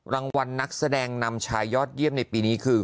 รางวัลนักแสดงนำชายยอดเยี่ยมในปีนี้คือ